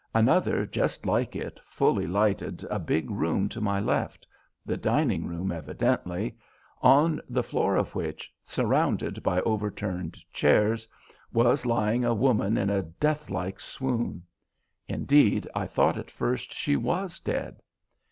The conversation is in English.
Another just like it fully lighted a big room to my left, the dining room, evidently, on the floor of which, surrounded by overturned chairs, was lying a woman in a deathlike swoon. Indeed, I thought at first she was dead.